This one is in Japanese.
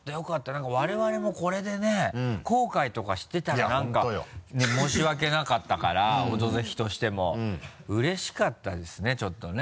何か我々もこれでね後悔とかしてたら何かね申し訳なかったから「オドぜひ」としても。うれしかったですねちょっとね。